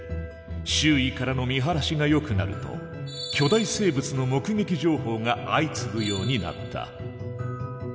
周囲からの見晴らしがよくなると巨大生物の目撃情報が相次ぐようになった。